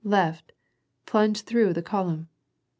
left ! plunged through the column.